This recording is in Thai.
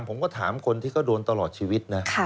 ผมก็ถามคนที่เขาโดนตลอดชีวิตนะ